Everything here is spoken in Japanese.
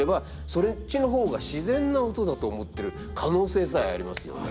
そっちの方が自然な音だと思ってる可能性さえありますよね。